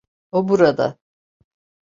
O burada!